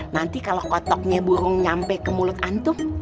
nanti kalo kotoknya burung nyampe ke mulut antum